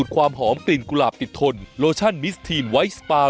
คุณมอสค่ะ